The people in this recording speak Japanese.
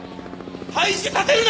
廃止させるな！